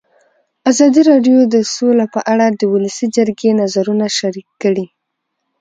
ازادي راډیو د سوله په اړه د ولسي جرګې نظرونه شریک کړي.